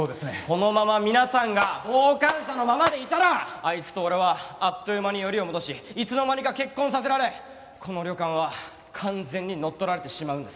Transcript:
このまま皆さんが傍観者のままでいたらあいつと俺はあっという間によりを戻しいつの間にか結婚させられこの旅館は完全に乗っ取られてしまうんです。